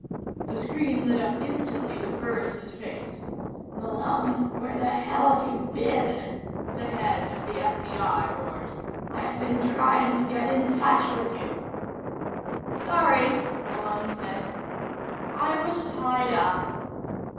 The screen lit up instantly with Burris' face. "Malone, where the hell have you been?" the head of the FBI roared. "I've been trying to get in touch with you " "Sorry," Malone said. "I was tied up."